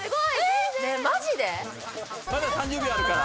まだ３０秒あるから。